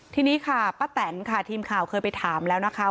ทีนี้ค่ะป้าแตนค่ะทีมข่าวเคยไปถามแล้วนะคะ